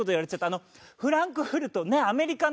あのフランクフルトねアメリカン